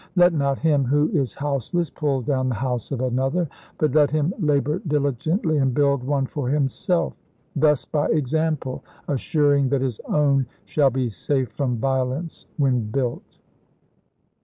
Let not him Mc who is houseless pull down the house of another, but let <?History him labor diligently and build one for himself, thus by Re^feJ£®n „ example assuring that his own shall be safe from violence p. 607. when built.